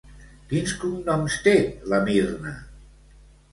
Quins cognoms té la Mirna?